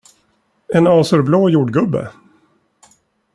En azurblå jordgubbe.